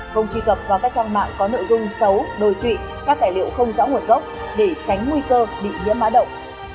không truy cập vào các trang mạng có nội dung xấu đối trụy các tài liệu không rõ nguồn gốc để tránh nguy cơ bị nhiễm mã động